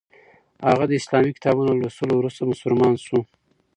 هغه د اسلامي کتابونو له لوستلو وروسته مسلمان شو.